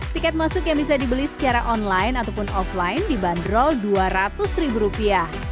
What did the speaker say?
tiket masuk yang bisa dibeli secara online ataupun offline dibanderol dua ratus ribu rupiah